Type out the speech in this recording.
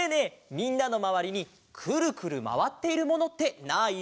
みんなのまわりにくるくるまわっているものってない？